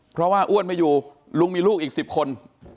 เพราะว่าอ้วนไม่อยู่ลุงมีลูกอีก๑๐คน